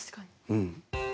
うん。